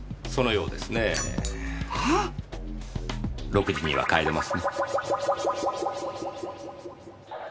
６時には帰れますね。